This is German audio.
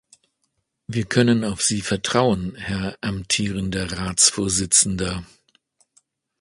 Wir können auf Sie vertrauen, Herr amtierender Ratsvorsitzender.